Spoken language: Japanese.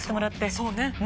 そうね。